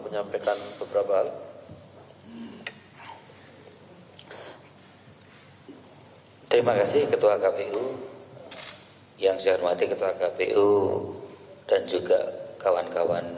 menyampaikan beberapa hal terima kasih ketua kpu yang saya hormati ketua kpu dan juga kawan kawan